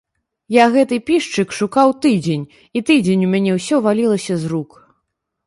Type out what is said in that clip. Я гэты пішчык шукаў тыдзень, і тыдзень у мяне ўсё валілася з рук.